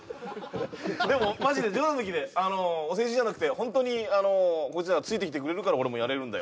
でもマジで冗談抜きであのーお世辞じゃなくてホントにあのーこいつらついてきてくれるから俺もやれるんだよ